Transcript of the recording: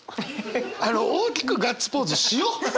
大きくガッツポーズしよう！